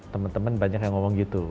teman teman banyak yang ngomong gitu